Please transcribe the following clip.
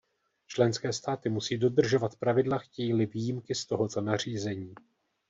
Členské státy musí dodržovat pravidla, chtějí-li výjimky z tohoto nařízení.